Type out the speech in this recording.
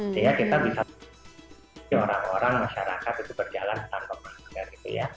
sehingga kita bisa menghubungi orang orang masyarakat itu berjalan tanpa masker